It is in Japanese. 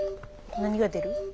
何が出る？